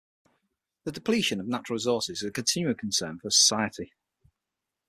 The depletion of natural resources is a continuing concern for society.